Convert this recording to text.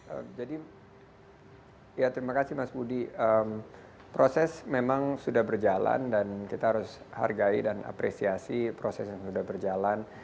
oke jadi ya terima kasih mas budi proses memang sudah berjalan dan kita harus hargai dan apresiasi proses yang sudah berjalan